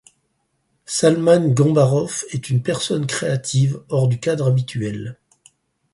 Salman Gambarov est une personne créative hors du cadre habituel.